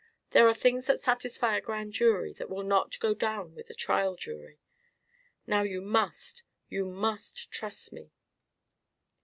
There are things that satisfy a grand jury that will not go down with a trial jury. Now you must, you must trust me."